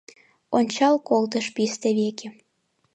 Ончал колтыш писте веке.